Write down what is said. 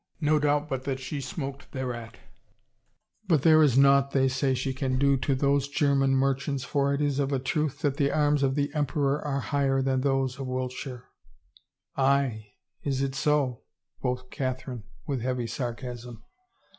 No doubt but that she smoked thereat, but there 258 HAPPIEST OF WOMEN • is naught, they say, she can do to those German mer chants for it is of a truth that the arms of the emperor are higher than those of Wiltshire." "Aye, is it so?'' quoth Catherine with heavy sar casm.